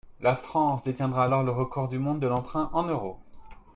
La France détiendra alors le record du monde de l’emprunt en euros.